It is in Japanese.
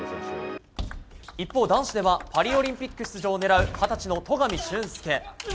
一方、男子ではパリオリンピック出場を狙う二十歳の戸上隼輔。